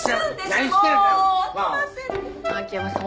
秋山さん